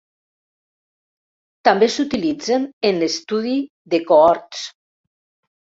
També s'utilitzen en l'estudi de cohorts.